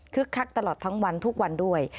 คักตลอดทั้งวันทุกวันด้วย